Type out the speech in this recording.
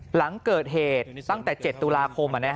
หลังเกิดเหตุตั้งแต่๗ตุลาคม